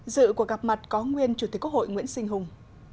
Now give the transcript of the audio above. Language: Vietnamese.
dự của gặp mặt có nguyên chủ tịch quốc hội nguyễn sinh hùng